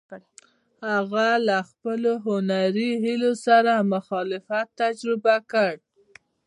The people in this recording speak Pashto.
هغه له خپلو هنري هیلو سره مخالفت تجربه کړ.